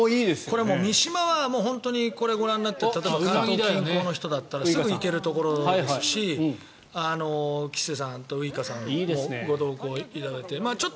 これは三島は本当にこれ、ご覧になっていただいて関東近郊の方だったらすぐに行けるところですし吉瀬さん、ウイカさんもご同行いただいて。